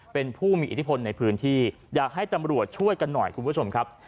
เป็นผู้มีอิทธิพลในพื้นที่อยากให้ตำรวจช่วยกันหน่อยคุณผู้ชมครับ